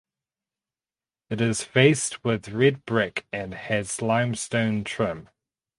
It is faced with red brick and has limestone trim.